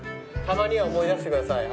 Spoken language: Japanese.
たまには思い出してください。